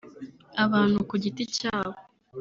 Abantu ku giti cyabo